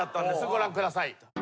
ご覧ください。